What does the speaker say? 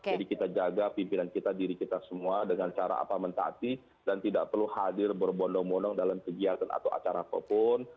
jadi kita jaga pimpinan kita diri kita semua dengan cara apa mentati dan tidak perlu hadir berbondong bondong dalam kegiatan atau acara apapun